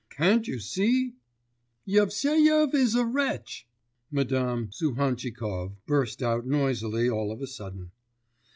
'Can't you see ' 'Yevseyev is a wretch!' Madame Suhantchikov burst out noisily all of a sudden.